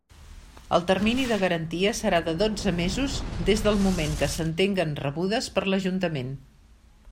El termini de garantia serà de dotze mesos des del moment que s'entenguen rebudes per l'Ajuntament.